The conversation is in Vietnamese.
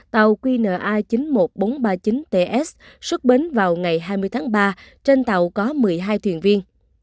tàu qna chín mươi một nghìn bốn trăm ba mươi chín ts xuất bến vào ngày hai mươi tháng ba trên tàu có một mươi hai thuyền viên